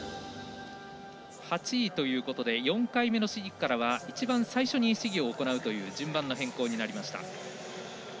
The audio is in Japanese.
８位ということで４回目の試技からは一番初めに試技を行うという順番の変更になりました。